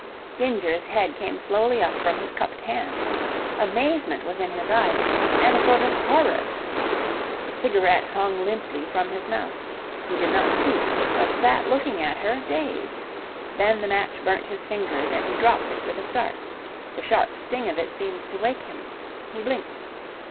Ginger's head came slowly up from his cupped hands. Amazement was in his eyes, and a sort of horror. The cigarette hung limply from his mouth. He did not speak, but sat looking at her, dazed. Then the match burnt his fingers, and he dropped it with a start. The sharp sting of it seemed to wake him. He blinked.